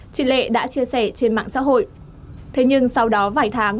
chị lệ đã chia sẻ trên mạng xã hội